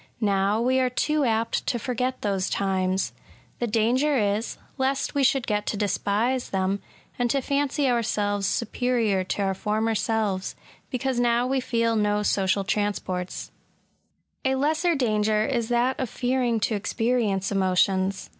Now, we are too apt to forget those times. The danger is, lest we should get to despise them, and to fancy ourselves superior to our former selves, because now we feel no social transports. SOME PERILS AND PAINS OF INVALIDISM. 177 A lesser danger is that of fearing to experience emotions.